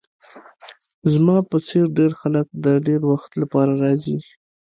زما په څیر ډیر خلک د ډیر وخت لپاره راځي